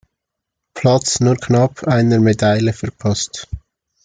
Platz nur knapp eine Medaille verpasste.